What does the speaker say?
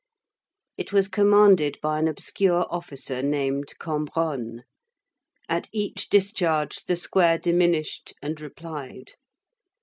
It was commanded by an obscure officer named Cambronne. At each discharge, the square diminished and replied.